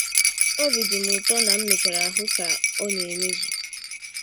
Obi dị m ụtọ na m mechara hụ ka ọ na-emezu.